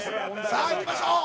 さあいきましょう！